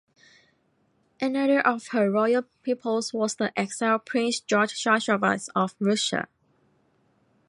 Another of her royal pupils was the exiled Prince George Chavchavadze of Russia.